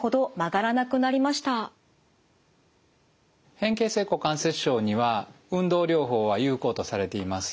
変形性股関節症には運動療法は有効とされています。